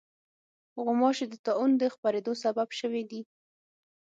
غوماشې د طاعون د خپرېدو سبب شوې دي.